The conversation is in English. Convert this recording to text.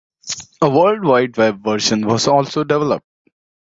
A world wide web version was also developed.